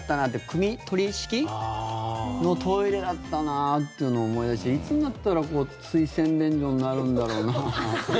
くみ取り式のトイレだったなっていうのを思い出していつになったら水洗便所になるんだろうなって。